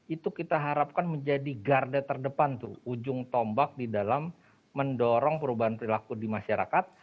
itu kita harapkan menjadi garda terdepan tuh ujung tombak di dalam mendorong perubahan perilaku di masyarakat